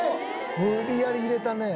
無理やり入れたね。